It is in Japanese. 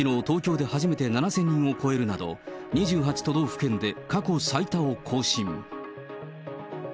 東京で初めて７０００人を超えるなど、２８都道府県で過去最多を更新。